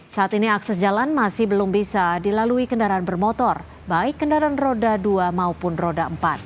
saat ini akses jalan masih belum bisa dilalui kendaraan bermotor baik kendaraan roda dua maupun roda empat